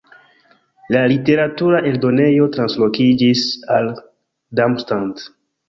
La literatura eldonejo translokiĝis al Darmstadt.